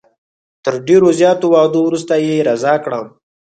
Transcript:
تر ډېرو زیاتو وعدو وروسته یې رضا کړم.